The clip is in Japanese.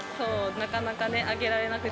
なかなかね、挙げられなくて。